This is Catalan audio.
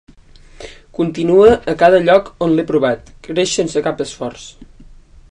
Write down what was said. Continua a cada lloc on l'he provat, creix sense cap esforç.